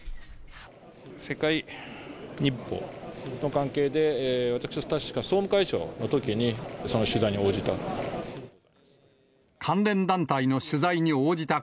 世界日報の関係で、私が確か総務会長のときにその取材に応じた。